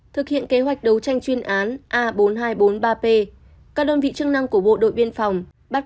thực hiện kế hoạch đấu tranh chuyên án a bốn nghìn hai trăm bốn mươi ba p các đơn vị chức năng của bộ đội biên phòng bắt